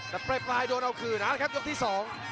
แต่ใบปลายโดนเอาคืนครับยกที่สอง